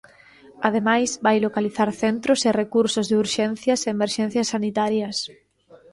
Ademais, vai localizar centros e recursos de urxencias e emerxencias sanitarias.